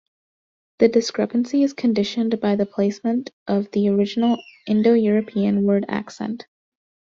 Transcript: The discrepancy is conditioned by the placement of the original Indo-European word accent.